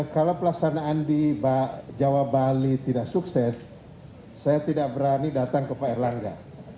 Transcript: kalau pelaksanaan di jawa bali tidak sukses saya tidak berani datang ke pak erlangga